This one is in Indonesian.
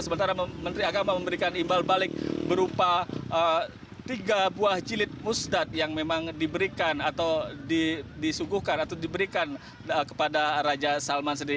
sementara menteri agama memberikan imbal balik berupa tiga buah jilid musdat yang memang diberikan atau disuguhkan atau diberikan kepada raja salman sendiri